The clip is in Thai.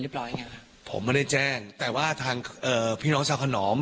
ร้อยไงฮะผมไม่ได้แจ้งแต่ว่าทางเอ่อพี่น้องชาวขนอม